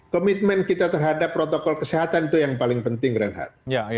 komitmen kita terhadap protokol kesehatan itu yang paling penting reinhardt